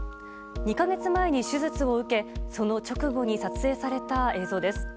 ２か月前に手術を受けその直後に撮影された映像です。